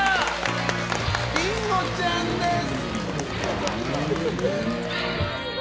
りんごちゃんです！